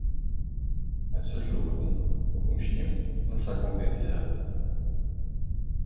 Acest lucru, după cum știm, nu s-a concretizat.